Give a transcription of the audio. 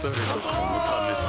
このためさ